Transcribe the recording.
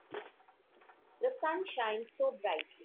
The sun shines so brightly.